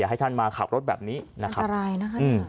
อย่าให้ท่านมาขับรถแบบนี้นะครับ